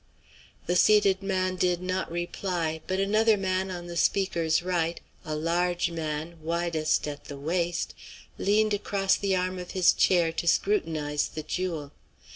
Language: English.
The seated man did not reply; but another man on the speaker's right, a large man, widest at the waist, leaned across the arm of his chair to scrutinize the jewel.